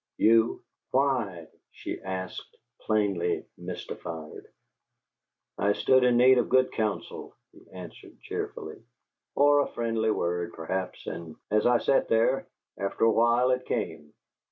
"You." "Why?" she asked, plainly mystified. "I stood in need of good counsel," he answered, cheerfully, "or a friendly word, perhaps, and as I sat there after a while it came."